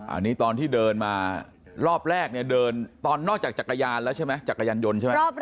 อันนี้ตอนที่เดินมารอบแรกเนี่ยเดินตอนนอกจากจักรยานแล้วใช่ไหมจักรยานยนต์ใช่ไหม